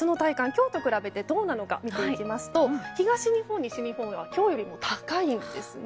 今日と比べてどうなのか見ていきますと東日本、西日本では今日よりも高いんですね。